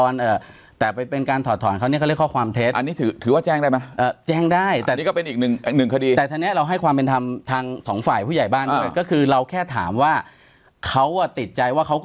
แล้วมันก็เลยกลายเป็นประเด็นต่อมาก็คือทางนี้บอกว่า